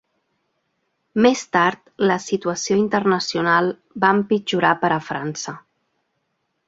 Més tard la situació internacional va empitjorar per a França.